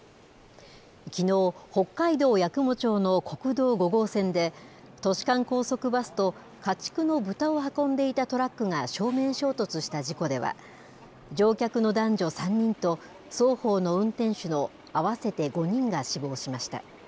きのう、北海道八雲町の国道５号線で、都市間高速バスと、家畜の豚を運んでいたトラックが正面衝突した事故では、乗客の男女３人と、双方の運転手の合わせて５人が死亡しました。